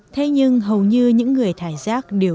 thế nhưng hầu như những người thải rác đều